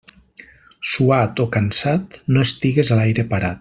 Suat o cansat, no estigues a l'aire parat.